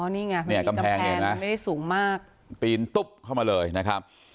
อ๋อนี่ไงไม่มีกำแพงไม่ได้สูงมากปีนตุ๊บเข้ามาเลยนะครับ